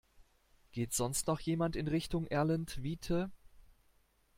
Geht sonst noch jemand in Richtung Erlentwiete?